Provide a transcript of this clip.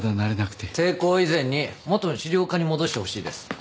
抵抗以前に元の資料課に戻してほしいです。